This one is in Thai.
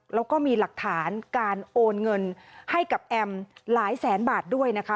แล้วก็มีหลักฐานการโอนเงินให้กับแอมหลายแสนบาทด้วยนะคะ